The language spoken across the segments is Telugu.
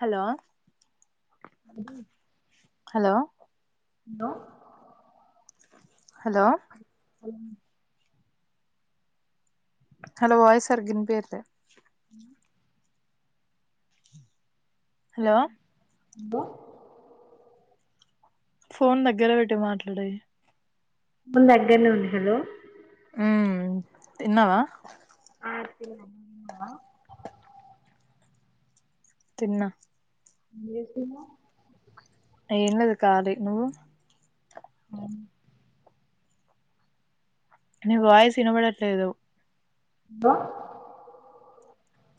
హలో అ hello hello hello hello hello వాయి సరిగ్గినిపియట్లె హలో దో ఫోన్ దగ్గర పెట్టి మాట్లాడే మ దగ్గరనే ఉంది హలో ఉ తిన్నావా హ తిన్నావా నువ్ తిన్నావా తిన్నా ఎం కూర ఎం లేదు కాళీ నువ్వు అ నీ వాయిసు వినబడట్లేదు హలో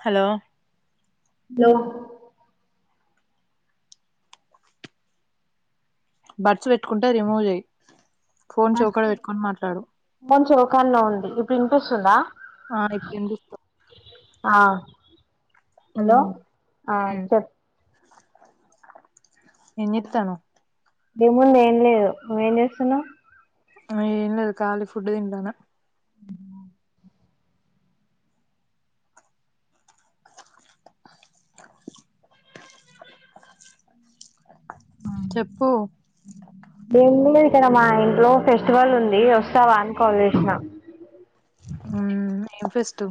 హలో హలో బరడ్స్ పెట్టుకుంటే రిమూవ్ చెయ్యి ఫోన్ చెవు కడ పెట్టుకొని మాట్లాడు మంచి ఒకకా లో ఉంది ఇప్పుడు ఇనిపిస్తుందా ఆ ఇప్పుడు వినిపిస్తాం ఆ హలో ఆ మ్మ్ చెప్ ఎం చేతనావ్ ఎం ఉంది ఏం లేదు నువ్వ ఏం చేస్తున్నావు అ ఎం లేదు కాాలీ ఫుడ్ తింటాన చెప్పు దేము ఇక్కడ మా ఇంట్లో ఫెస్టివల్ ఉంది వస్తావా అని కాల్ చేసినా ఆ ఎం ఫేస్ట్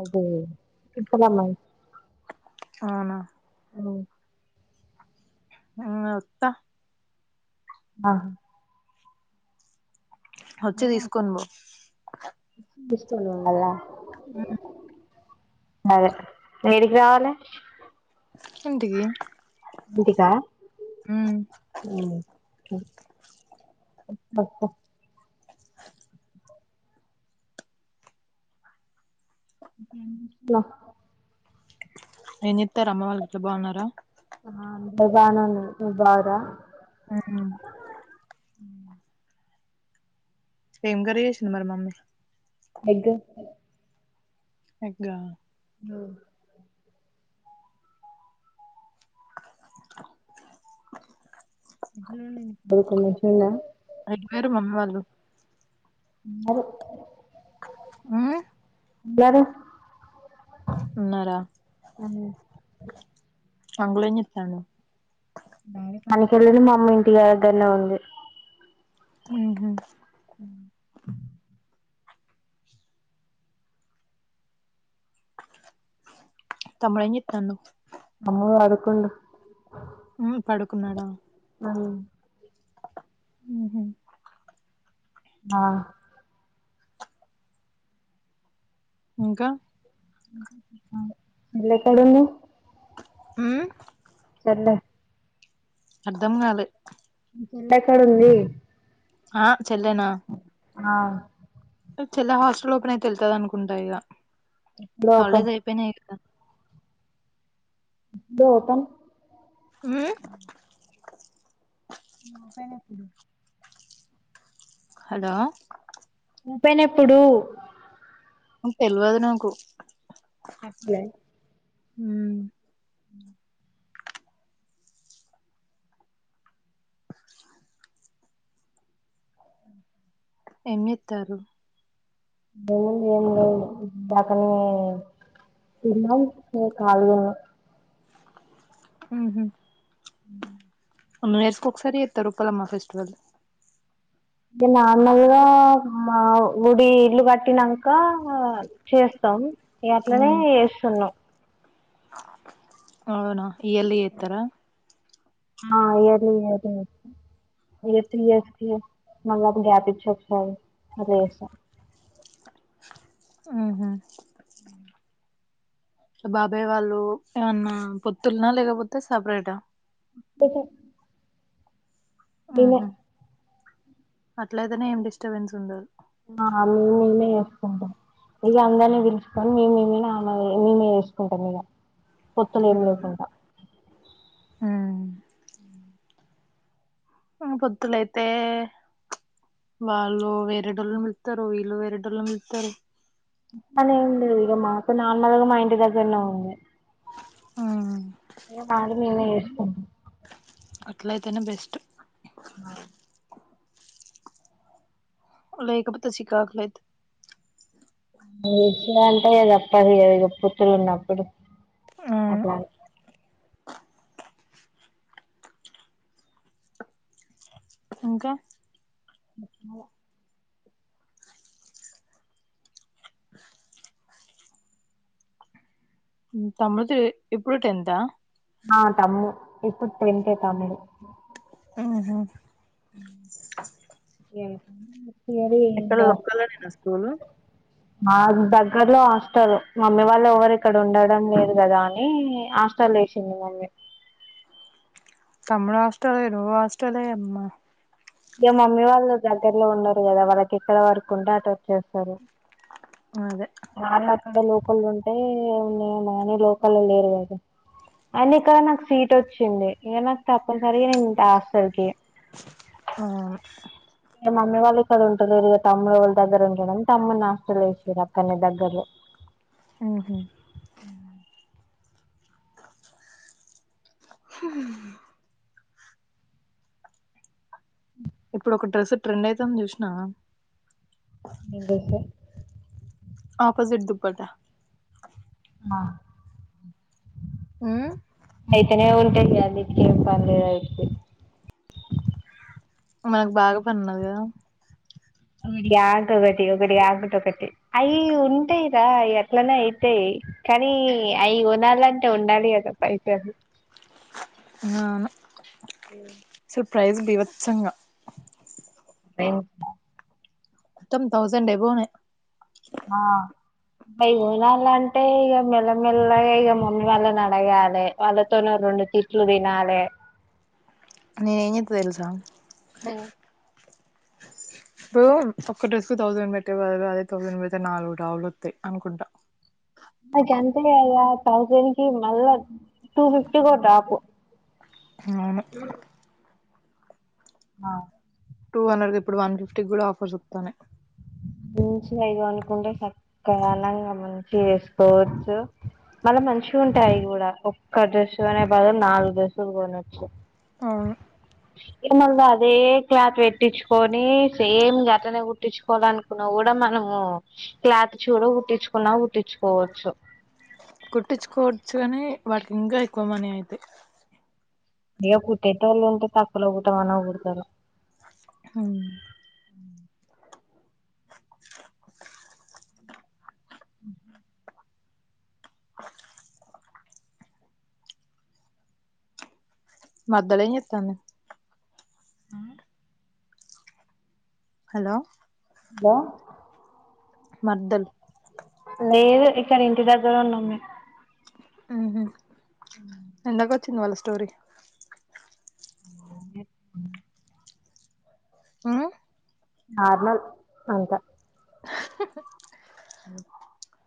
అబ్బో ఇప్పుడు రమ్మ అవునా అవు ఉ ఒత్తా ఆా వచ్చి అదే తీసుకును పోో తీసుకొని పోవాలా సరే ఎడికి రావాలి ఇంటికి ఇంటికా మ్మ్ అా అందరు ఎం చె చెార అమ్మ వాళ్ళు ఇట్లా బాగున్నారా అందరు బానే ఉన్నారు మీరు బాగున్నారా మ్మ్ ఏమ్ కర్రీ చేసింది మరి మమ్మీ? ఎగ్గ్ ఎగ్గా మ్మ్ [unintelligible] ఎటు పోయిర్రు మమ్మీ వాళ్ళు? ఉన్నరు మ్మ్ ఉండారు ఉన్నరా అంకులేం చేస్తాండు? మనీషోళ్ళ ఇల్లు మా అమ్మ ఇంటి దగ్గరనే ఉంది. హ్మ్ హు తమ్ముడేమ్ చేత్తాండు తమ్ముడు పడుకుండు మ్మ్ పడుకున్నాడ మ్మ్ హ్మ్ హు ఆ ఇంకా చెల్లి ఎక్కడుంది? మ్మ్ చెల్లె అర్ధం కాలే చెల్లెక్కడ ఉంది ఆ చెల్లెనా ఆ చెల్లా హాస్టల్ ఓపెన్ అయితె వెళ్తది అనుకుంటా ఇగ ఎప్పుడు ఓపెన్ హాలిడేస్ అయిపోయినై ఎప్పుడు ఓపన్ మ్మ్ ఓపెనెప్పుడు హలో ఓపెనెప్పుడూ తెల్వదు నాకు చెప్పలే. హ్మూ ఏం జేత్తారు ఏముంది ఏం లేదు ఇందాకనే తిన్నం ఇగ ఖాళిగున్న. హ్మ్ హు మ్మ్ ఎన్ని ఇయర్స్ కి ఒక్కసారి చేస్తరు ఉప్పలమ్మ ఫెస్టివల్ తే నార్మల్గా మా ఉడి ఇల్లు కట్టినంక చేస్తాం. ఇగ అట్లనే మ్ చేస్తున్నాం. అవునా ఈయర్లీ చేత్తరా ఆ ఇయర్లీ ఇయర్లీ చేస్తాం, ఇగ త్రీ ఇయర్స్ కి మల్ల గ్యాప్ ఇచ్చి ఒకసారి అట్లచేస్తం. ఆహా బాబాయ్ వాళ్ళు ఏమన్నా పొత్తులనా లేకపోతే సపరేటా [unintelligible] విన అట్ల అయితేనే ఏం డిస్టర్బెన్స్ ఉండదు. ఆ మే మేమే చేసుకుంటాం, ఇగ అందరినీ పిలుసుకొని మే మేమే మేమే చేసుకుంటాం ఇగ. పొత్తులు ఏమి లేకుండా ఆ ఆ పొత్తులయితే వాళ్ళు వేరే టోళ్ళలను పిలుత్తరు, వీళ్ళు వేరే టోళ్ళలను పిలుత్తరు. అట్ల అని ఏమి లేదు ఇగ మా అత్త నార్మల్ గా మా ఇంటి దగ్గరనే ఉంది. ఉమ్ ఇగ మాది మేమె అట్లయితేనే బెస్ట్ అ లేకపోతే చికాకు లేత్తది. [unintelligible] తప్పది ఇగా అ పొత్తుల ఉన్నప్పుడు అట్లా అని ఇంకా చెప్పాలే తమ్ముడుతు ఇప్పుడు టెన్త్ ఆ ఆ తమ్ము ఇప్పుడు టెన్తే తమ్ముడు. అహా ఎ [unintelligible] ఎక్కడ లోకల్ లోనేనా స్కూల్. మా దగ్గర్లో హాస్టల్ మమ్మీ వాళ్ళు ఎవరు ఇక్కడ ఉండడం లేదు కదా అని హాస్టల్ల ఏసింది మమ్మీ. తమ్ముడు హాస్టలే, నువ్వు హాస్టలే అమ్మా ఇగ మమ్మీ వాళ్ళు దగ్గరలో ఉండరు కదా వాళ్ళకి ఎక్కడ వర్కు ఉంటే అటు వచ్చేస్తరు. అదే నాది అక్కడ లోకల్లో ఉంటే ఉన్నయన్న గాని, లోకల్లో లేరు కదా అయిన ఇక్కడ నాకు సీట్ వచ్చింది, ఇగ నాకు తప్పనిసరిగా నేను ఇగా హాస్టల్కే. ఆవును మమ్మీ వాళ్ళు ఇక్కడ ఉంటలేరు ఇగ తమ్ముడు వాళ్ళ దగ్గర ఉంటడని తమ్మున్ని హాస్టల్ల వేసింరు అక్కడే దగ్గరనే హుహ్ హ్ ఇప్పుడు ఒక డ్రెస్ ట్రెండ్ అయితాంది చూసినవా. నేను చూసా ఆపోజిట్ దుప్పట్ట ఆ హ్మ్ అయితేనే ఉంటాయి అన్నిటికేం పనిలేదు ఆయిటికీ మనకు బాగా పనున్నది కదా ఒకటి కాకొకటి ఒకటి కాకుంటొకటి అయి ఉంటాయిరా అయ్ అట్లనే అయితాయి కానీ అయి కొనాలంటే ఉండాలి కదా పైసల్ హా అవును మ్ ప్రైజ్ బీబచ్చంగా పెం మొత్తం తౌసండ్ అబోనే అయికొనాలంటే ఇగ మెల్లమెల్లగా ఇగ మమ్మీ వాళ్ళనడగాలే వాళ్ళతోని ఓ రొండు తిట్లు తినాలే నేనేంజేత్త తెల్సా ఉమ్ ఇప్పుడూ ఒక్క డ్రెస్ కు థౌజండ్ పెట్టేబదులు అదే థౌజండ్ పెడితే నాలుగు టాప్లొత్తాయి అనుకుంటా అంతే కదా థౌసండ్ కి మళ్ళా టూఫిఫ్టీ కో టాపు అవును ఆ టూ హండ్రెడ్ దిప్పుడు వన్ ఫిఫ్టీ కూడా ఆఫర్స్ ఒత్తానయ్ మంచిగ ఇగ అనుకుంటే సక్కదనంగా మంచిగా చేసుకోవచ్చు. మళ్ళా మంచిగా ఉంటాయి అయి కూడా. ఒక్క డ్రెస్సు కొనే బదులు నాలుగు డ్రెస్సులు కొనచ్చు ఆ ఏమల్ల అదే క్లాత్ పెట్టించుకోని సేమ్ గట్లనే కుట్టించుకోవాలను కున్న కూడా మనము క్లాత్ చూడ కుట్టించుకున్నా కుట్టించుకోవచ్చు కుట్టించుకోవచ్చు కాని వాటికి ఇంకా ఎక్కువ మనీ అయితాయ్ ఇగ కుట్టేటోళ్ళుంటే తక్కుల కుట్టమన్న కుడతారు హుమ్ మ్ హ [inaudible] మర్దలేం చేత్తాంది మ్ హలో హలో మర్దల్ లేదు ఇక్కడ ఇంటి దగ్గర ఉన్నాం మేం ఊహు ఎందకు చిన్ని వాళ్ళ స్టోరీ మ్ [inaudible] మ్ నార్నల్ అంతా అఓ [inaudible]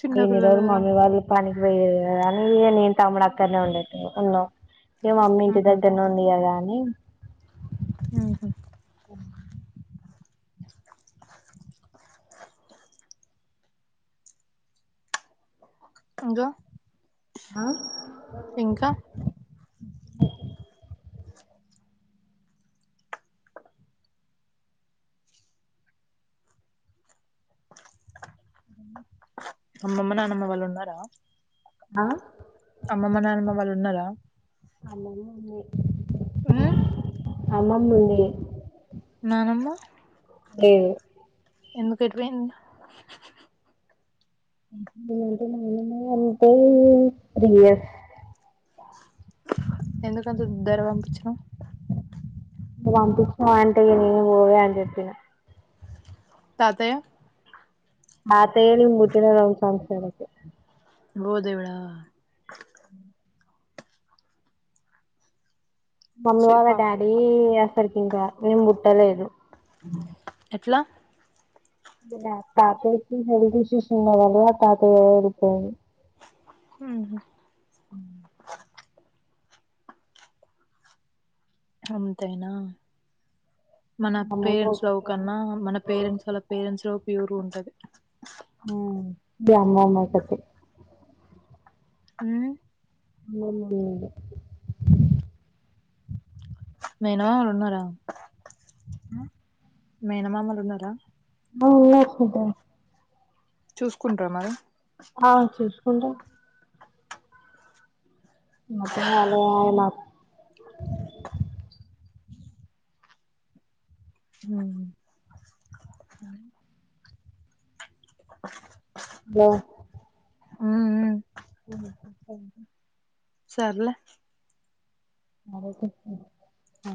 చిన్న పిల్లలు ఇన్నిరోజులు కదా మమ్మీ వాళ్ళు పని వే అనీగ నేన్ తమ్ముడక్కనే ఉండే ఉన్నాం ఇగ మమ్మీ ఇంటి ఉమ్, దగ్గరనే ఉంది కదా అని ఊహు ఇంకా ఆ ఇంకా అమ్మమ్మ నానమ్మ వాళ్ళు ఉన్నారా ఆ అమ్మమ్మ నానమ్మ వాళ్ళు ఉన్నారా అమ్మమ్మ ఆ అమ్మమ్ ముంది నానమ్మ లేదు ఎందుకెటుపోయింది అంటే రీయస్ ఎందుకంత ధర పంపించిన నువవు పంపించినావు అంటే నేను గోవే అని చెప్పిన తతే ఆ తయి ఇంగ్ ముుట్టనం సాన్స అకి ఓ దేవడా మమ్మీ ఛీ వాళ పాపం డాడీ వస్తర్కింద నేను పుట్ ట్టలేదు పలా ఇ తాత హెల్త్ ఇష్యూస్ ఉన్నదాల తాతతు హ అంతేనా మన అమ్మమ్మ పేరెంట్స్ లోవు ఒక్కతే కన్నా మన పేరెంట్స్ వాళ్ళ పేరెంట్స్ లో ప్యూర్ బ ఉంటది అమ్మమోకతి అ [unintelligible] మనా వాఉన్నారా ఆ మేనమామలు ఉన్నారా [unintelligible] చూసుకుంటార మరి ఆ చసుకుంటే మొత్తం కలాయిలా హ అ [inaudible] వా ఉ ఓ సర్లే అదే అ